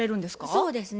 そうですね。